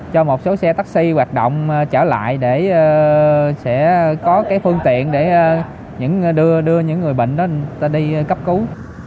cho một số xe taxi hoạt động trở lại để sẽ có cái phương tiện để đưa những người bệnh đó ta đi cấp cứu